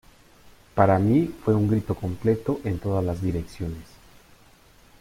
Para mí, fue un grito completo en todas las direcciones.